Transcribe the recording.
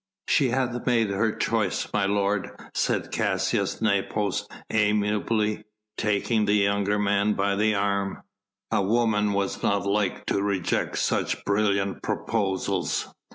"She hath made her choice, my lord," said Caius Nepos amiably, taking the younger man by the arm, "a woman was not like to reject such brilliant proposals."